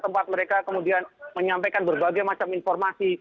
tempat mereka kemudian menyampaikan berbagai macam informasi